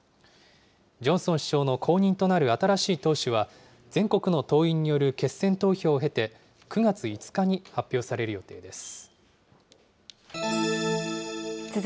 ジョンソン首相の後任となる新しい党首は、全国の党員による決選投票を経て、９月５日に発表される予定です。